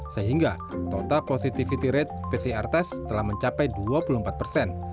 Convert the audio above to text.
sehingga total positivity rate pcr test telah mencapai dua puluh empat persen